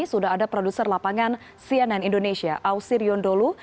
sudah ada produser lapangan cnn indonesia ausir yondolu